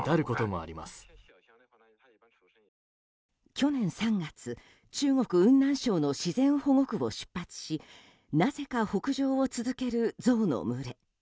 去年３月中国・雲南省の自然保護区を出発し、なぜか北上を続けるゾウの群れ。